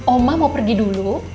oma mau pergi dulu